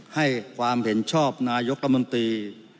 ให้ความเห็นชอบนายกรัฐมนตรี